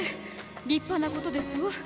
立派なことですわ。